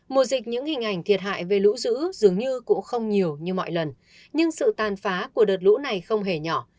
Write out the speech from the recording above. mùa dịch những hình ảnh thiệt hại về lũ dữ dường như cũng không nhiều như mọi lần nhưng sự tàn phá của đợt lũ này không hề nhỏ